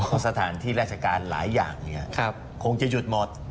เพราะสถานที่ราชการหลายอย่างคงจะหยุดหมด